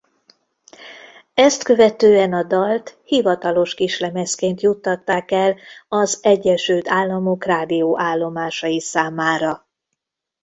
Ezt követően a dalt hivatalos kislemezként juttatták el az Egyesült Államok rádióállomásai számára.